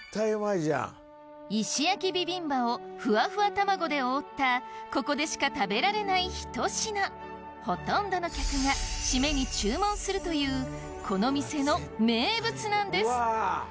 石焼ビビンバをふわふわ卵で覆ったここでしか食べられないひと品ほとんどの客が締めに注文するというこの店の名物なんです